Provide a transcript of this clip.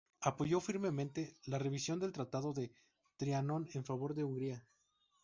Apoyó firmemente la revisión del Tratado de Trianón en favor de Hungría.